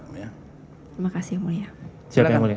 terima kasih yang mulia